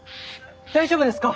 大丈夫ですか？